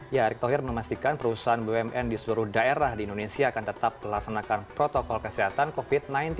ya erick thohir memastikan perusahaan bumn di seluruh daerah di indonesia akan tetap melaksanakan protokol kesehatan covid sembilan belas